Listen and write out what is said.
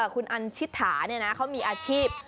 คุณอัญชิษฐาเนี่ยนะเขามีอาชีพ